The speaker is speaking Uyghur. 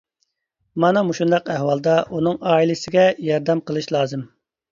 مانا مۇشۇنداق ئەھۋالدا ئۇنىڭ ئائىلىسىگە ياردەم قىلىش لازىم.